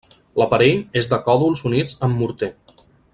L'aparell és de còdols units amb morter.